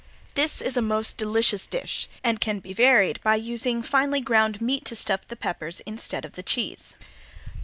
This is a most delicious dish and can be varied by using finely ground meat to stuff the peppers instead of The cheese.